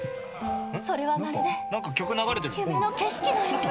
それはまるで夢の景色のように。